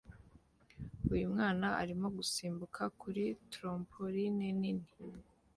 Uyu mwana arimo gusimbuka kuri trampoline nini